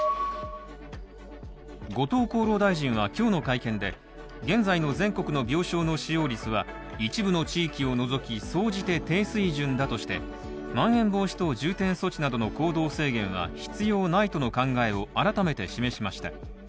後藤厚労大臣は今日の会見で現在の全国の病床の使用率は一部の地域を除き総じて低水準だとしてまん延防止等重点措置などの行動制限は必要ないとの考えを改めて示しました。